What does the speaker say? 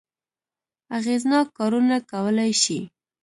اغېزناک کارونه کولای شي.